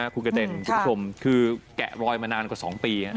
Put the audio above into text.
คุณกระเต็นคุณผู้ชมคือแกะรอยมานานกว่า๒ปี